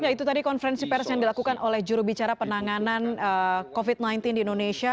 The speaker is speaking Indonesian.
ya itu tadi konferensi pers yang dilakukan oleh jurubicara penanganan covid sembilan belas di indonesia